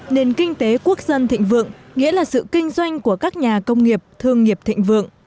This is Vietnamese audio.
nền kinh tế quốc dân thịnh vượng nghĩa là sự kinh doanh của các nhà công nghiệp thương nghiệp thịnh vượng